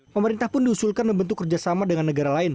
pemerintah pun diusulkan membentuk kerjasama dengan negara lain